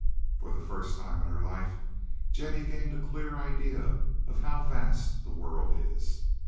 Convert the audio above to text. For the first time in her life Jennie gained a clear idea of how vast the world is.